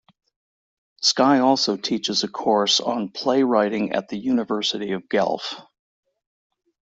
Sky also teaches a course on Playwrighting at the University of Guelph.